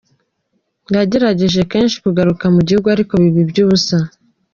Yagerageje kenshi kugaruka mu gihugu, ariko biba iby’ubusa.